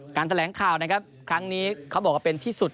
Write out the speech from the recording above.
การแถลงข่าวครั้งนี้เขาบอกว่าเป็นที่สุด